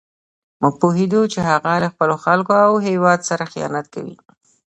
موږ پوهېدو چې هغه له خپلو خلکو او هېواد سره خیانت کوي.